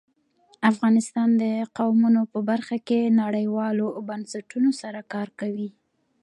افغانستان د قومونه په برخه کې نړیوالو بنسټونو سره کار کوي.